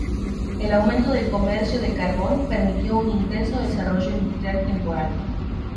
El aumento del comercio del carbón permitió un intenso desarrollo industrial temporal.